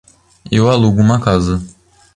Eu alugo uma casa.